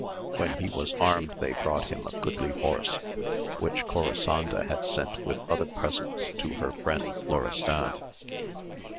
When he was armed they brought him a goodly horse, which Corisanda had sent with other presents to her friend Florestan.